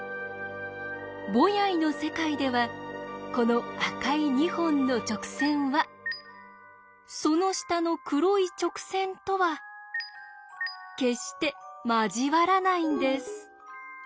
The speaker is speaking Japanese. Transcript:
ボヤイの世界ではこの赤い２本の直線はその下の黒い直線とは決して交わらないんです。